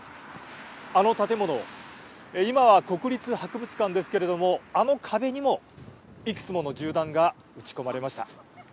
あの建物今は国立博物館ですけれどもあの壁にも、いくつもの銃弾が撃ち込まれました。